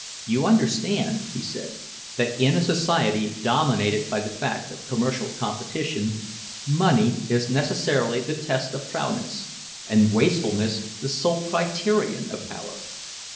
"You understand," he said, "that in a society dominated by the fact of commercial competition, money is necessarily the test of prowess, and wastefulness the sole criterion of power.